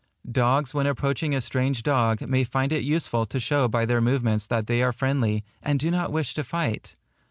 Dogs when approaching a strange dog, may find it useful to show by their movements that they are friendly, and do not wish to fight.